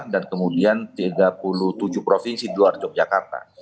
dan kemudian tiga puluh tujuh provinsi di luar yogyakarta